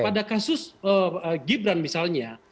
pada kasus gibran misalnya